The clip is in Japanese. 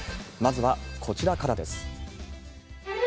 まずはこちらからです。